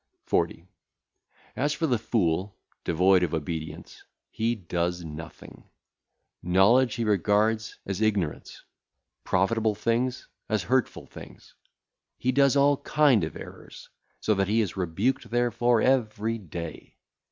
40. As for the fool, devoid of obedience, he doeth nothing. Knowledge he regardeth as ignorance, profitable things as hurtful things. He doeth all kind of errors, so that he is rebuked therefor every day.